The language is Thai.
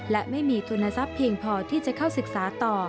และไม่มีทุนทรัพย์เพียงพอที่จะเข้าศึกษาต่อ